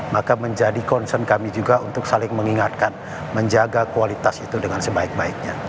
maka menjadi concern kami juga untuk saling mengingatkan menjaga kualitas itu dengan sebaik baiknya